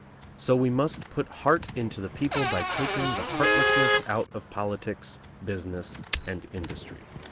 So we must put heart into the people by taking the heartlessness out of politics, business, and industry.